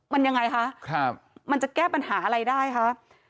มันยังไงคะมันจะแก้ปัญหาอะไรได้คะ